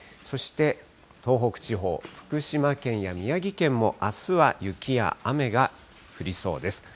そして東北地方、福島県や宮城県も、あすは雪や雨が降りそうです。